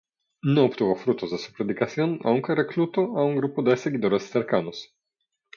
No obtuvo frutos de su predicación aunque reclutó a un grupo de seguidores cercanos.